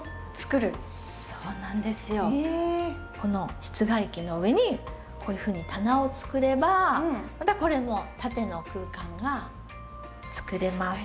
この室外機の上にこういうふうに棚を作ればまたこれも縦の空間が作れます。